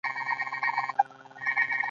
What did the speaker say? دوی له دې کبله زیارکښ ګڼل کیږي.